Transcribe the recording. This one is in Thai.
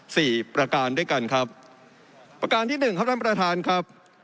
ประการด้วยกันครับประการที่หนึ่งครับท่านประธานครับ